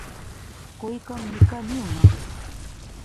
کوئی کم نکا نی ہونا